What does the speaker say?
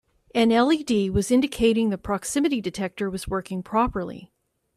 An LED was indicating the proximity detector was working properly.